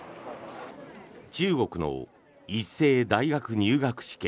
中国の一斉大学入学試験